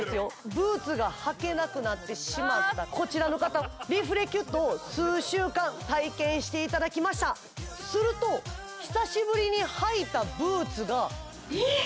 ブーツが履けなくなってしまったこちらの方リフレキュットを数週間体験していただきましたすると久しぶりに履いたブーツがえっ！